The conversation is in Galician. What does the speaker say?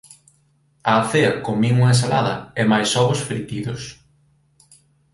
Á cea comín unha ensalada e máis ovos fritidos.